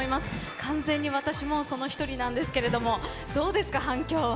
完全に私もその１人なんですがどうですか、反響は？